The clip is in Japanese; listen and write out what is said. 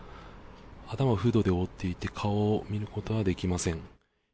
頭をフードで覆っていて顔を見ることはできません。